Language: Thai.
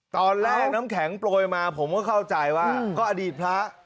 ตอนแรกน้ำแข็งโปรยมาผมเข้าใจว่ะก็อดีตพระ